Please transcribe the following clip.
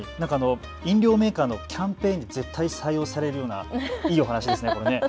飲料メーカーのキャンペーンに絶対採用されるようないいお話ですね。